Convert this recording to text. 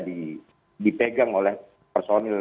dipegang oleh personil